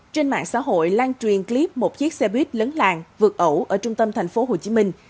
trên mạng xã hội lan truyền clip một chiếc xe buýt lấn làng vượt ẩu ở trung tâm thành phố hồ chí minh